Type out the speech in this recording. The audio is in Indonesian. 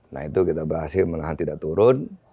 nah itu kita bahasi menahan tidak turun